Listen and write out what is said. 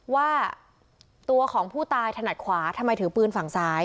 ว่าตัวของผู้ตายถนัดขวาทำไมถือปืนฝั่งซ้าย